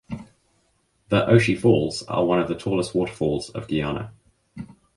The Oshi Falls are one of the tallest waterfalls of Guyana.